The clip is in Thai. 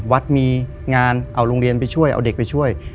วัดมีงานเอาโรงเรียนไปช่วยเอาเด็กไปช่วย